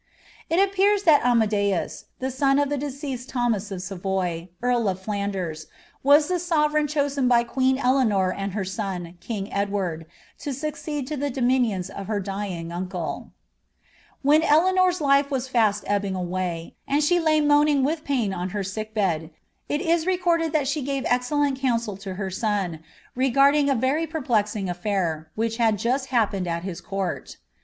"' It appears that Atnadeus, the son of the deceased Thnmas of Svnjj eail of Flanilers, was ihe sovereign chosen by queen Eleanor ''" son, king Edward, la sncceed to the dominions of her dyit^ ni When Eleanor's life was fast ebbing away, and »he I«y iiii pain OD her sick bed, it is recorded that she gave excellent her son, regarding a very perplexing sl&ir, which had just ha| , his court.